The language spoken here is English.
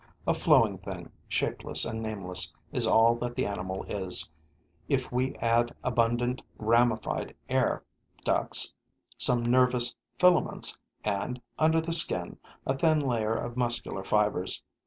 A flowing thing, shapeless and nameless, is all that the animal is, if we add abundant ramified air ducts, some nervous filaments and, under the skin, a thin layer of muscular fibers.